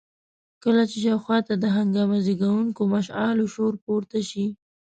کله چې شاوخوا د هنګامه زېږوونکو مشاغلو شور پورته شي.